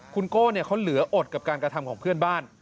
คุณโก้เขาเหลืออดกับการกระทำของเพื่อนบ้าน